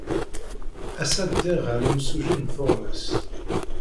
Ass-a, ddiɣ ɣer yimsujji n tuɣmas.